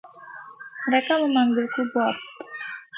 Mereka memanggilku Bob.